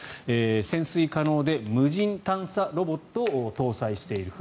潜水可能で無人探査ロボットを搭載している船